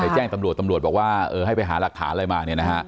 แจ้งตำรวจตำรวจบอกว่าให้ไปหารักฐานอะไรมา